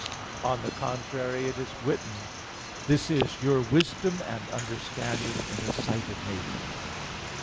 On the contrary, It is written (Deut. 4:6): "This is your wisdom and understanding in the sight of nations."